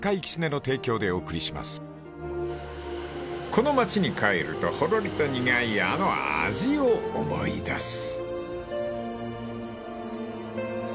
［この町に帰るとほろりと苦いあの味を思い出す］